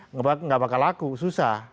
nggak bakal laku susah